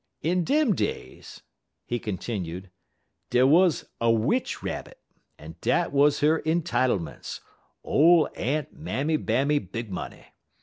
In dem days," he continued, "dey wuz a Witch Rabbit, en dat wuz her entitlements ole Aunt Mammy Bammy Big Money.